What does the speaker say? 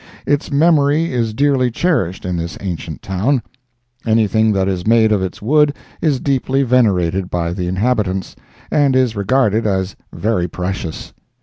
Its memory is dearly cherished in this ancient town. Anything that is made of its wood is deeply venerated by the inhabitants, and is regarded as very precious.